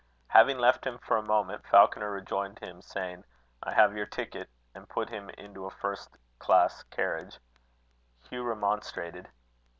Having left him for a moment, Falconer rejoined him, saying: "I have your ticket;" and put him into a first class carriage. Hugh remonstrated.